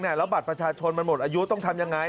แล้วบัตรประชาชนมันหมดอายุต้องทำยังไง